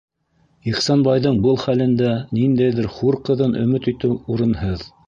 Ихсанбайҙың был хәлендә ниндәйҙер хур ҡыҙын өмөт итеү урынһыҙ.